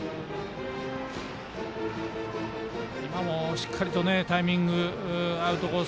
しっかりとタイミングアウトコース